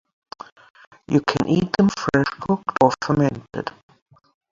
You can eat them fresh cooked or fermented.